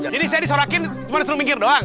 jadi saya disorakin cuma disuruh mingkir doang